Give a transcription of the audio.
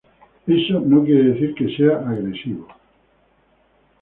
Eso no quiere decir que sea agresivo.